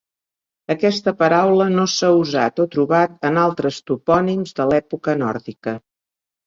Aquesta paraula no s'ha usat o trobat en altres topònims de l'època nòrdica.